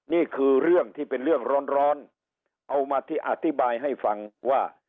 นี่คือเรื่องที่เป็นเรื่องร้อนเอามาที่อธิบายให้ฟังว่า